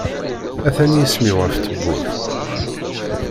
Atan yisem-iw ɣef tewwurt.